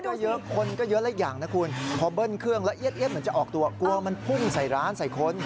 ก็เยอะคนก็เยอะและอีกอย่างนะคุณพอเบิ้ลเครื่องแล้วเอี๊ยดเหมือนจะออกตัวกลัวกลัวมันพุ่งใส่ร้านใส่คน